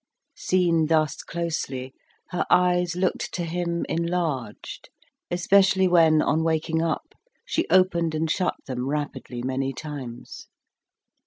Seen thus closely, her eyes looked to him enlarged, especially when, on waking up, she opened and shut them rapidly many times.